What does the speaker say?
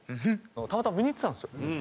たまたま見に行ってたんですよ。